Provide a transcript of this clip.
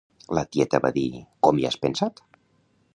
La tieta va dir: —Com hi has pensat!